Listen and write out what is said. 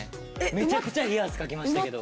めちゃくちゃ冷や汗かきましたけど。